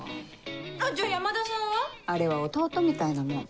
じゃあ山田さんは？あれは弟みたいなもん。